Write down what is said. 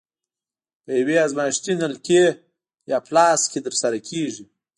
په یوې ازمایښتي نلکې یا فلاسک کې ترسره کیږي.